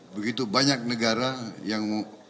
begitu banyak negara yang